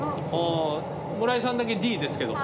村井さんだけ「Ｄ」ですけど。